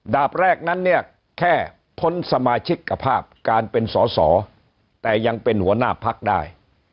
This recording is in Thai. แรกนั้นเนี่ยแค่พ้นสมาชิกกภาพการเป็นสอสอแต่ยังเป็นหัวหน้าพักได้